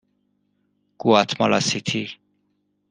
گواتمالا سیتی